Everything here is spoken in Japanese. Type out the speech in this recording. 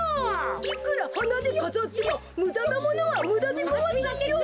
いくらはなでかざってもむだなものはむだでごわすよ。